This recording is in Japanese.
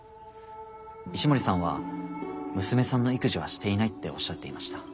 石森さんは娘さんの育児はしていないっておっしゃっていました。